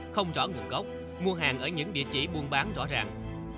không rõ nguồn gốc mua hàng ở những địa chỉ buôn bán rõ ràng